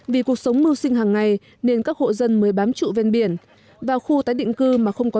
vì cuộc sống mưu sinh hàng ngày nên các hộ dân mới bắt đầu xây dựng khu tái định cư